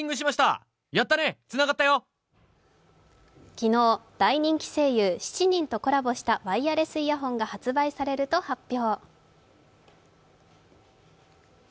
昨日、大人気声優７人とコラボしたワイヤレスイヤホンが発売されると発表。